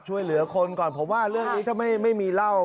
ช่วยเหลือคนก่อนผมว่าเรื่องนี้ถ้าไม่มีเล่า